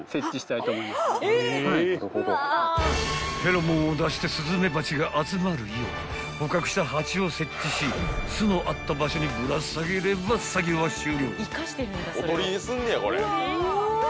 ［フェロモンを出してスズメバチが集まるよう捕獲したハチを設置し巣のあった場所にぶら下げれば作業は終了］